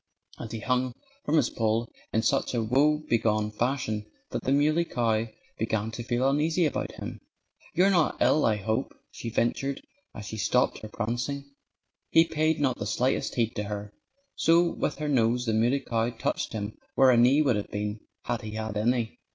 And he hung from his pole in such a woebegone fashion that the Muley Cow began to feel uneasy about him. "You're not ill, I hope?" she ventured, as she stopped her prancing. He paid not the slightest heed to her. So with her nose the Muley Cow touched him where a knee would have been, had he had any.